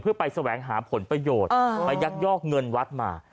เพื่อไปแสวงหาผลประโยชน์ไปยักยอกเงินวัดมา